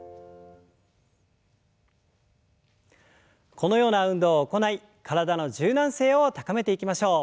このような運動を行い体の柔軟性を高めていきましょう。